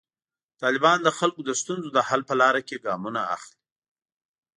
طالبان د خلکو د ستونزو د حل په لاره کې ګامونه اخلي.